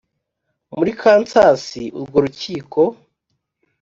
muri Kansas Urwo rukiko